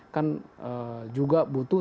kan juga butuh